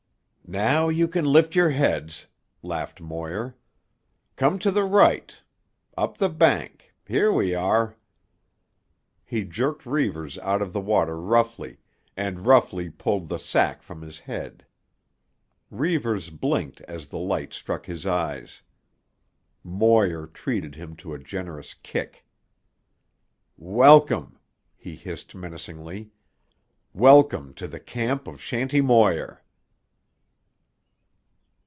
"Now you can lift your heads," laughed Moir. "Come to the right. Up the bank. Here we are." He jerked Reivers out of the water roughly, and roughly pulled the sack from his head. Reivers blinked as the light struck his eyes. Moir treated him to a generous kick. "Welcome," he hissed menacingly. "Welcome to the camp of Shanty Moir."